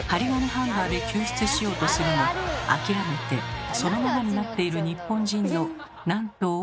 ハンガーで救出しようとするも諦めてそのままになっている日本人のなんと多いことか。